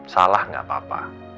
salah gak papa